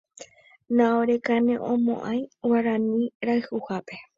Naorekaneʼõmoʼãi Guarani rayhupápe.